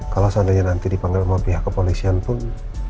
kalau seandainya nanti dipanggil sama pihak kepolisian pun